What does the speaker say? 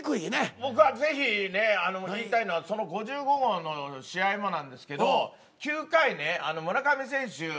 僕は是非言いたいのはその５５号の試合もなんですけど９回ね村上選手